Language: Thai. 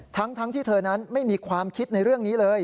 ทั้งที่เธอนั้นไม่มีความคิดในเรื่องนี้เลย